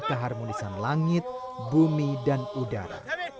keharmonisan langit bumi dan udara